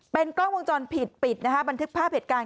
เป็นกล้องวงจรปิดปิดนะคะบันทึกภาพเหตุการณ์